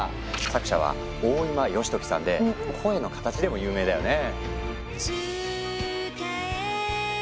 作者は大今良時さんで「聲の形」でも有名だよね。